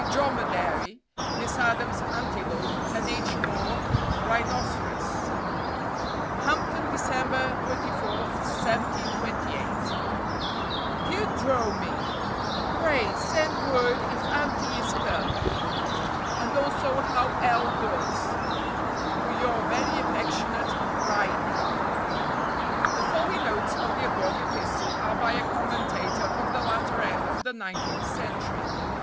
dromedary; Miss Adams, antelope; and H. More, rhinoceros. "HAMPTON, December 24, 1728. "DEAR DROMY (a): Pray, send word if Ante (b) is come, and also how Ele (c) does, to your very affectionate RHYNEY" (d). The following notes on the above epistle are by a commentator of the latter end of the nineteenth century.